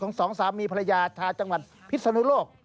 สองสามีภรรยาชาวจังหวัดพิศนุโลก